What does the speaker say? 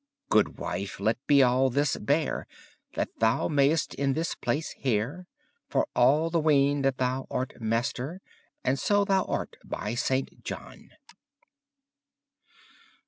Goodwiffe, lett be all this beare, That thou maiste in this place heare; For all the wene that thou arte maister, And so thou arte, by Sante John!